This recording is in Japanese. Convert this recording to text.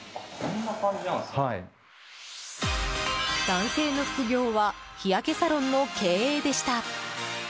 男性の副業は日焼けサロンの経営でした。